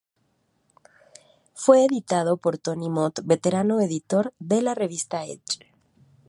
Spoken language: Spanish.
Fue editado por Tony Mott, veterano editor de la revista Edge.